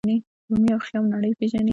رومي او خیام نړۍ پیژني.